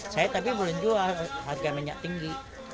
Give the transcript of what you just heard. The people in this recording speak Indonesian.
saya tapi belum jual harga minyak tinggi